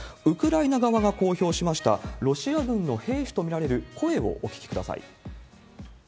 ウクライナ側が公表しましたロシア軍の兵士と見られる声をお聞きください。